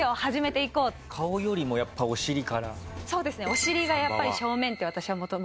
お尻がやっぱり正面って私は元々。